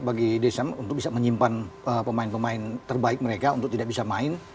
bagi desam untuk bisa menyimpan pemain pemain terbaik mereka untuk tidak bisa main